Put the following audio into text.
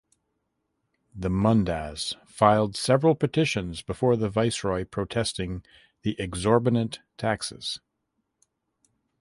The Mundas filed several petitions before the viceroy protesting the exorbitant taxes.